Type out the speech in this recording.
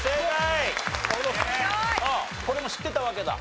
これも知ってたわけだ？